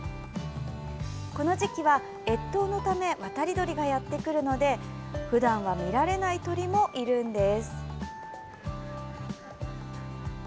この時期は越冬のため渡り鳥がやってくるのでふだんは見られない鳥もいるんです。